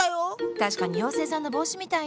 確かに妖精さんの帽子みたいね。